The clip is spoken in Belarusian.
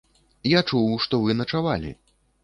Я чуў, што вы начавалі.